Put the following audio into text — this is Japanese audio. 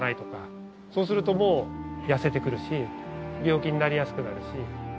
そうするともう痩せてくるし病気になりやすくなるし。